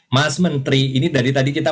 mas menteri ini dari tadi kita